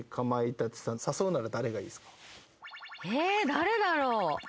誰だろう？